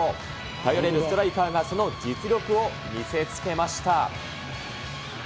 頼れるストライカーが、その実力を見せつけました。